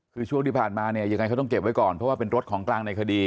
คือช่วงที่ผ่านมาเนี่ยยังไงเขาต้องเก็บไว้ก่อนเพราะว่าเป็นรถของกลางในคดี